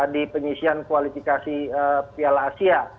di penyisian kualifikasi piala asia